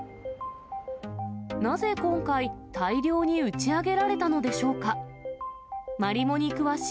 なぜ今回、大量に打ち上げられたのでしょうか。